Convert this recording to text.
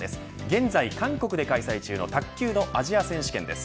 現在、韓国で開催中の卓球のアジア選手権です。